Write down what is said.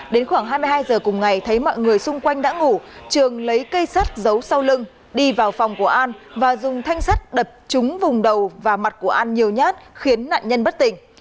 đến khoảng hai mươi hai giờ cùng ngày thấy mọi người xung quanh đã ngủ trường lấy cây sắt giấu sau lưng đi vào phòng của an và dùng thanh sắt đập chúng vùng đầu và mặt của an nhiều nhát khiến nạn nhân bất tỉnh